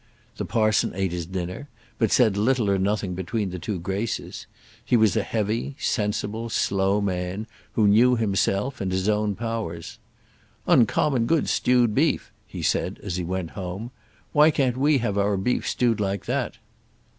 The parson ate his dinner, but said little or nothing between the two graces. He was a heavy, sensible, slow man, who knew himself and his own powers. "Uncommon good stewed beef," he said, as he went home; "why can't we have our beef stewed like that?"